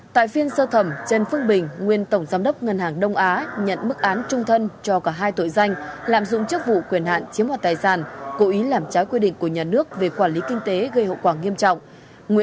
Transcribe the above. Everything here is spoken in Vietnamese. tại phiên sơ thẩm trần phương bình nguyên tổng giám đốc ngân hàng đông á nhận mức án trung thân cho cả hai tội danh lạm dụng chức vụ quyền hạn chiếm hoạt tài sản cố ý làm trái quy định của nhà nước về quản lý kinh tế gây hậu quả nghiêm trọng